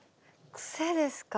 癖ですか？